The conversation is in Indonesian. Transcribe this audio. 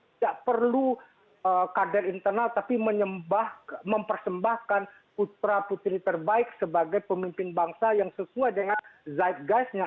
tidak perlu kader internal tapi mempersembahkan putra putri terbaik sebagai pemimpin bangsa yang sesuai dengan zeit guide nya